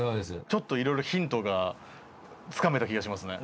ちょっといろいろヒントがつかめた気がしますね。